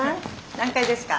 何階ですか？